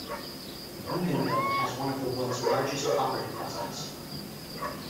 Bougainville has one of the world's largest copper deposits.